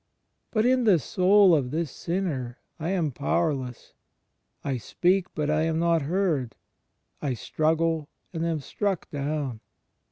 But in the soul of this sinner I am powerless. I speak, but I am not heard; I struggle and am struck down.